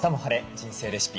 人生レシピ」